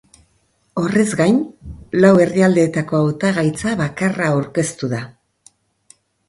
Horrez gain, lau herrialdeetako hautagaitza bakarra aurkeztu da.